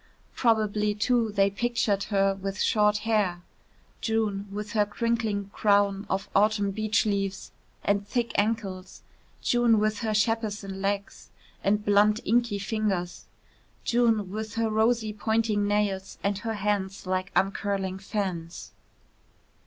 Probably, too, they pictured her with short hair, June, with her crinkling crown of autumn beach leaves; and thick ankles, June with her Shepperson legs; and blunt inky fingers, June with her rosy pointing nails and her hands like uncurling fans.